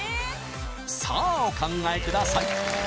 さあお考えください